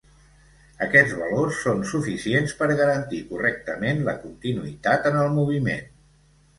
Aquests valors són suficients per garantir correctament la continuïtat en el moviment.